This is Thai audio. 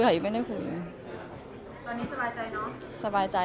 อเรนนี่มีหลังไม้ไม่มี